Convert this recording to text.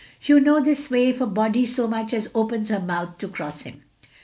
You know his way if a body so much as opens her mouth to cross him.